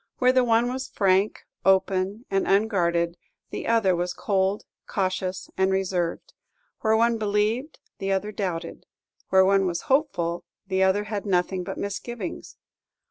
Where the one was frank, open, and unguarded, the other was cold, cautious, and reserved; where one believed, the other doubted; where one was hopeful, the other had nothing but misgivings.